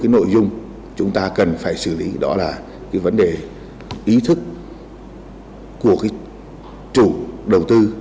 nội dung chúng ta cần phải xử lý đó là vấn đề ý thức của chủ đầu tư